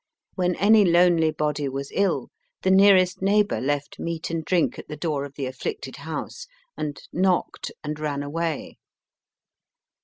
When any lonely body was ill, the nearest neighbour left meat and drink at the door of the afflicted house, and knocked and ran away.